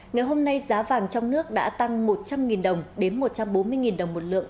ngày hôm nay giá vàng trong nước đã tăng một trăm linh đồng đến một trăm bốn mươi đồng một lượng